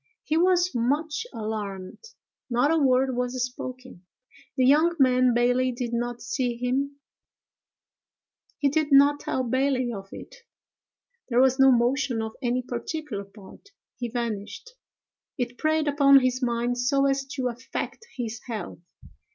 He was much alarmed: not a word was spoken. The young man Bailey did not see him; he did not tell Bailey of it. There was no motion of any particular part: he vanished. It preyed upon his mind so as to affect his health.